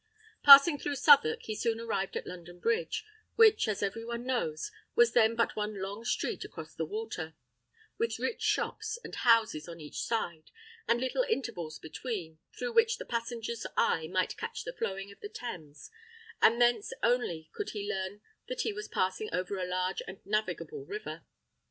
Passing through Southwark, he soon arrived at London Bridge, which, as every one knows, was then but one long street across the water, with rich shops and houses on each side, and little intervals between, through which the passenger's eye might catch the flowing of the Thames, and thence only could he learn that he was passing over a large and navigable river.